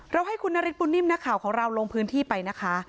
ให้คุณนฤทธบุญนิ่มนักข่าวของเราลงพื้นที่ไปนะคะ